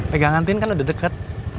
pegangan tin kan udah deket